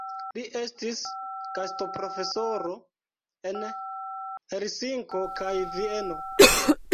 Li estis gastoprofesoro en Helsinko kaj Vieno.